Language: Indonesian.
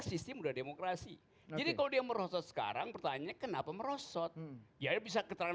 sistem demokrasi jadi kau dia merosot sekarang pertanyaan kenapa merosot ya bisa keterangan